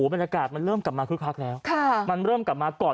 บรรยากาศมันเริ่มกลับมาคึกคักแล้วมันเริ่มกลับมาก่อน